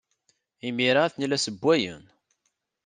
Imir-a, atni la ssewwayen.